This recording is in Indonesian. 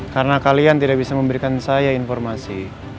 karena kalian tidak bisa memberikan saya informasi